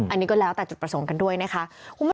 อันนี้ก็แล้วแต่จุดประสงค์กันด้วยนะคะ